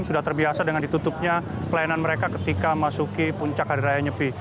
sudah terbiasa dengan ditutupnya pelayanan mereka ketika masuki puncak hari raya nyepi